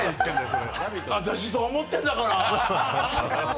私そう思ってんだから。